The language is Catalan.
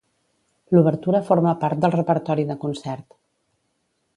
L'obertura forma part del repertori de concert.